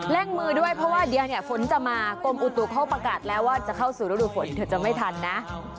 แล้งมือด้วยเพราะว่าเดี๋ยวฝนจะมากรมอุตุเข้าประกาศแล้วว่าจะเข้าสู่รูดดูฝนเดี๋ยวจะไม่ทันนะ